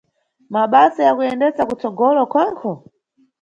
Mabasa ya kuyendesa kutsogolo khonkho?